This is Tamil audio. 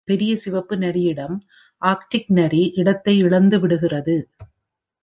பெரிய சிவப்பு நரியிடம் ஆர்க்டிக் நரி இடத்தை இழந்துவிடுகிறது.